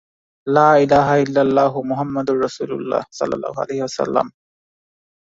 ইতালির বাইরে সবচেয়ে রোমান শহর বলে অভিহিত নিম শহরটির ইতিহাস বেশ পুরনো।